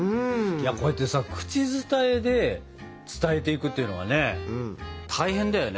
こうやってさ口伝えで伝えていくっていうのがね大変だよね。